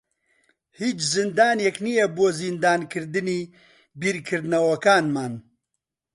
هیچ زیندانێک نییە بۆ زیندانیکردنی بیرکردنەوەکانمان.